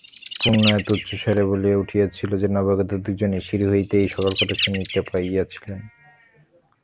পূর্ণ এত উচ্চস্বরে বলিয়া উঠিয়াছিল যে নবাগত দুইজনে সিঁড়ি হইতেই সকল কথা শুনিতে পাইয়াছিলেন।